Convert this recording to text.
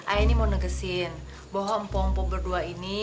ae ini mau negesin bahwa mpok mpok berdua ini